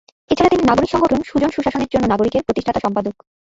এছাড়া তিনি নাগরিক সংগঠন ‘সুজন-সুশাসনের জন্য নাগরিক’-এর প্রতিষ্ঠাতা সম্পাদক।